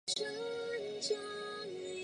应课差饷租值是评估差饷的基础。